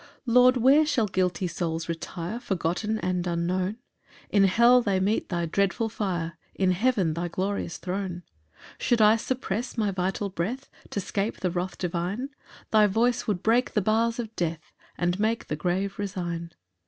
6 Lord, where shall guilty souls retire, Forgotten and unknown? In hell they meet thy dreadful fire, In heaven thy glorious throne. 7 Should I suppress my vital breath To 'scape the wrath divine, Thy voice would break the bars of death, And make the grave resign.